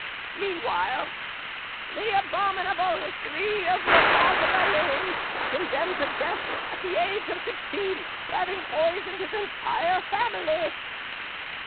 Meanwhile—— "The abominable history of Leroi de Valine, condemned to death at the age of sixteen for having poisoned his entire family!"